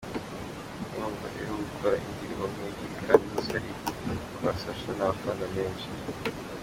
Urumva rero gukora indirimbo nk’ebyiri kandi zose ari kwa Sacha ni amafaranga menshi.